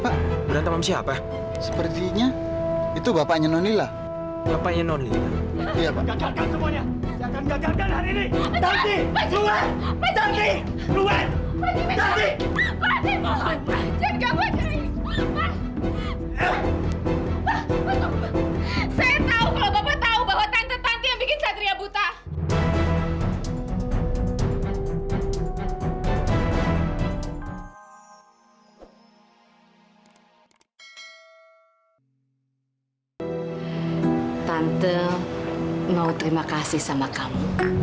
tante mau terima kasih sama kamu